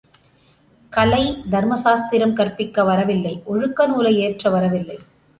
கலை, தர்ம சாஸ்திரம் கற்பிக்க வரவில்லை ஒழுக்க நூலை இயற்ற வரவில்லை.